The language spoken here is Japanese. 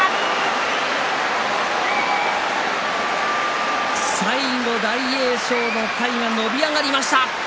拍手と歓声最後、大栄翔の体が伸び上がりました。